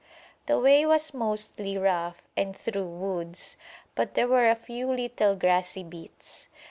The way was mostly rough and through woods, but there were a few little grassy bits.